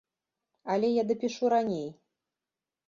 Але я дапішу раней.